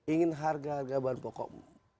ingin harga harga bahan pokok menurun tusuk prabowo sandi